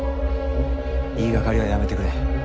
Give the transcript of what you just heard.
言いがかりはやめてくれ。